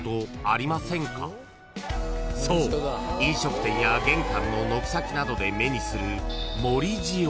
［そう飲食店や玄関の軒先などで目にする］